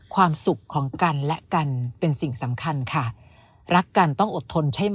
ความสุขของกันและกันเป็นสิ่งสำคัญค่ะรักกันต้องอดทนใช่ไหม